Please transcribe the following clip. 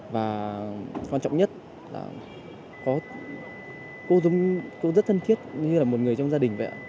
và quan trọng nhất là cô rất thân thiết như là một người trong gia đình vậy ạ